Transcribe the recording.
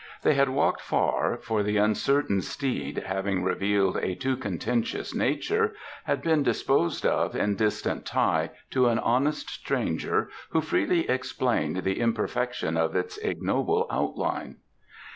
They had walked far, for the uncertain steed, having revealed a too contentious nature, had been disposed of in distant Tai to an honest stranger who freely explained the imperfection of its ignoble outline.